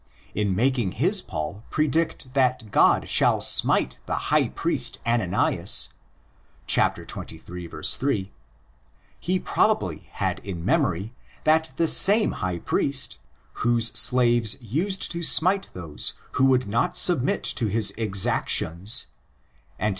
In making his Paul predict that God shall *'smite'' the high priest Ananias (xxiii. 8), he probably had in memory that the same high priest—whose slaves used to '' smite'' those who would not submit to his exactions (Ant.